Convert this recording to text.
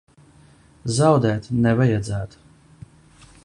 Zaudēt nevajadzētu.